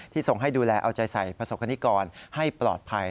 ส่งให้ดูแลเอาใจใส่ประสบคณิกรให้ปลอดภัย